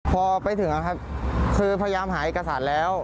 พอไปถึงครับคือพยายามหาเอกสารแล้ว